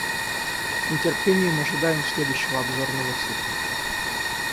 С нетерпением ожидаем следующего обзорного цикла.